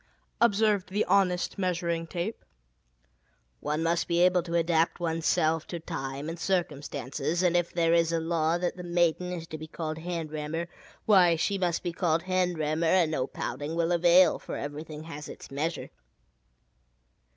'" observed the honest Measuring Tape. "One must be able to adapt one's self to time and circumstances, and if there is a law that the 'maiden' is to be called 'hand rammer,' why, she must be called 'hand rammer,' and no pouting will avail, for everything has its measure."